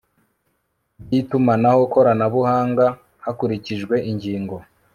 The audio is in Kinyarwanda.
by itumanaho koranabuhanga hakurikijwe ingingo